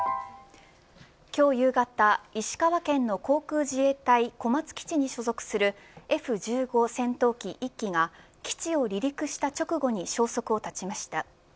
今日夕方、石川県の航空自衛隊小松基地に所属するＦ‐１５戦闘機１機が基地を離陸した直後に消息を絶ちました。